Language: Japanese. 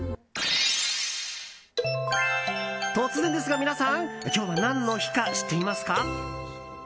突然ですが、皆さん今日は何の日か知っていますか？